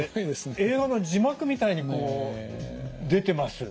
映画の字幕みたいにこう出てます。